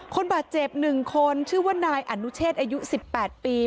คนบาดเจ็บ๑คนชื่อว่านายอนุเชษอายุ๑๘ปี